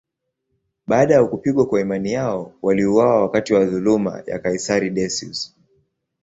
Baada ya kupigwa kwa imani yao, waliuawa wakati wa dhuluma ya kaisari Decius.